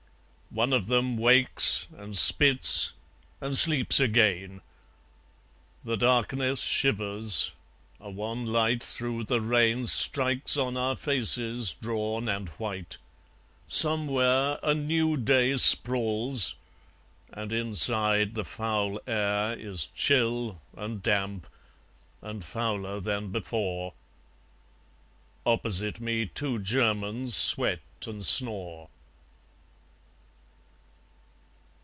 ... One of them wakes, and spits, and sleeps again. The darkness shivers. A wan light through the rain Strikes on our faces, drawn and white. Somewhere A new day sprawls; and, inside, the foul air Is chill, and damp, and fouler than before. ... Opposite me two Germans sweat and snore.